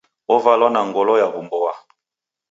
Ovalwa n a ngolo ya w'umboa.